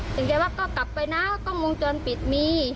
จริงว่าก็กลับไปนะก็มุมจนปิดมี